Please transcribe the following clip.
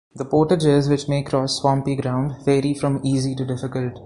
The portages, which may cross swampy ground, vary from easy to difficult.